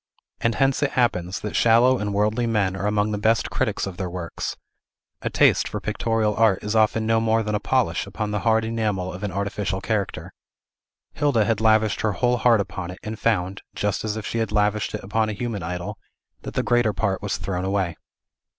And hence it happens, that shallow and worldly men are among the best critics of their works; a taste for pictorial art is often no more than a polish upon the hard enamel of an artificial character. Hilda had lavished her whole heart upon it, and found (just as if she had lavished it upon a human idol) that the greater part was thrown away.